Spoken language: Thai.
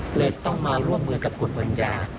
เลยต้องมาร่วมเมืองกับกรุณวัญญา